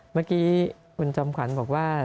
เมื่อกี้คุณจอมขวัญบอกว่า